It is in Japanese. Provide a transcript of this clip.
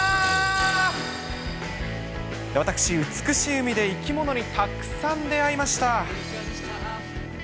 私、美しい海で生き物にたくさん出会いました。